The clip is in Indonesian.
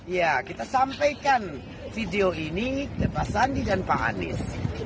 ya kita sampaikan video ini ke pak sandi dan pak anies